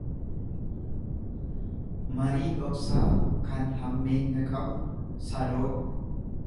marii dhoksaa kan hammeenya qabu, sadoo.